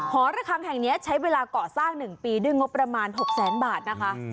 หอระคังแห่งนี้ใช้เวลาก่อสร้าง๑ปีด้วยงบประมาณ๖แสนบาทนะคะ